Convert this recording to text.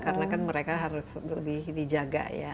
karena kan mereka harus lebih dijaga ya